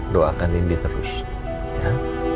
doakan nindi terus ya